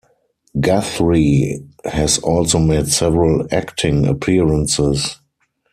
Guthrie has also made several acting appearances.